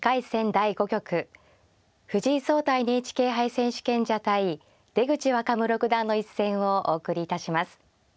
第５局藤井聡太ＮＨＫ杯選手権者対出口若武六段の一戦をお送りいたします。